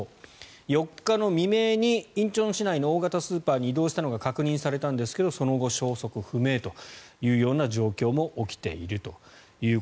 ４日の未明に仁川市内の大型スーパーに移動したのが確認されたんですがその後、消息不明という状況も起きていると。